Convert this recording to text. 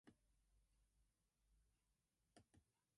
All of the dwarf minke whales caught off South Africa were taken singly.